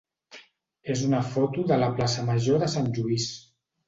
és una foto de la plaça major de Sant Lluís.